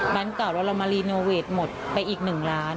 บ้านเก่าแล้วเรามารีโนเวทหมดไปอีกหนึ่งร้าน